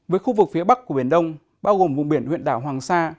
với khu vực phía bắc của biển đông bao gồm vùng biển huyện đảo hoàng sa